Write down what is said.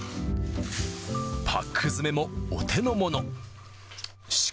パック詰めもお手の物。